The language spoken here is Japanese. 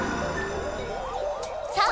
さあ！